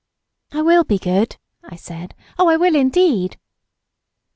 "I will be good," I said; " oh, I will indeed!